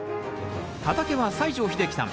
畑は西城秀樹さん